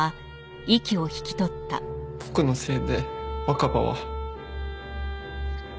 僕のせいで若葉は。